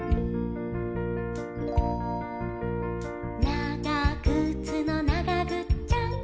「ながぐつの、ながぐっちゃん！！」